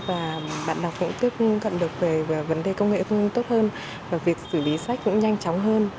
và bạn đọc cũng tiếp cận được về vấn đề công nghệ tốt hơn và việc xử lý sách cũng nhanh chóng hơn